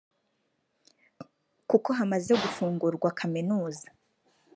kuko hamaze gufungurwa kaminuza